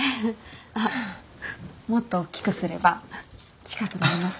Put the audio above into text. あっもっとおっきくすれば近くなれます。